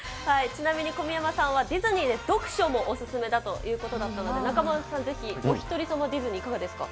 ちなみに、小宮山さんはディズニーで読書もお勧めだということだったので、中丸さん、ぜひおひとり様ディズニー、いかがですか？